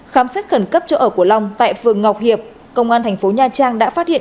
khám xét khẩn cấp chỗ ở của long tại phường ngọc hiệp công an thành phố nha trang đã phát hiện